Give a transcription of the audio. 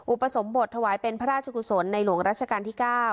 อุปสมบทถวายเป็นพระราชกุศลในหลวงรัชกาลที่๙